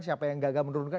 siapa yang gagal menurunkan